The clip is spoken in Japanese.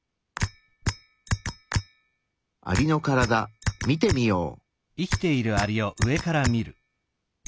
アリのカラダ見てみよう。